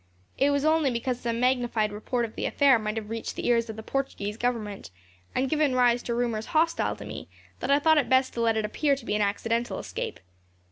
It was only because some magnified report of the affair might have reached the ears of the Portuguese Government, and given rise to rumours hostile to me, that I thought it best to let it appear to be an accidental escape.